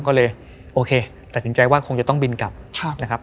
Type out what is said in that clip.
ก็เลยโอเคตัดสินใจว่าคงจะต้องบินกลับนะครับ